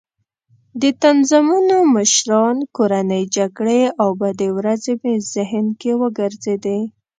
د تنظیمونو مشران، کورنۍ جګړې او بدې ورځې مې ذهن کې وګرځېدې.